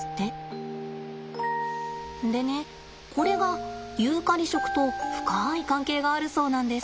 でねこれがユーカリ食と深い関係があるそうなんです。